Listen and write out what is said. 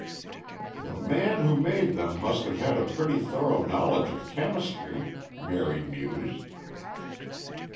"The man who made them must have had a pretty thorough knowledge of chemistry," Mary mused.